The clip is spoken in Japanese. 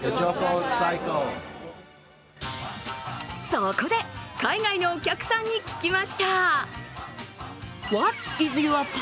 そこで、海外のお客さんに聞きました。